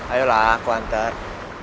ayolah aku hantar